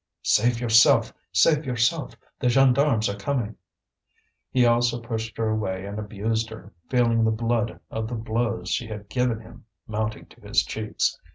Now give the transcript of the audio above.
"Save yourself! save yourself! the gendarmes are coming!" He also pushed her away and abused her, feeling the blood of the blows she had given him mounting to his cheeks.